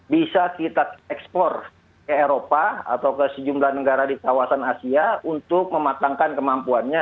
bisa kita ekspor ke eropa atau ke sejumlah negara di kawasan asia untuk mematangkan kemampuannya